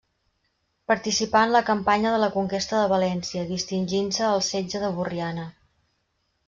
Participà en la campanya de la conquesta de València distingint-se al setge de Borriana.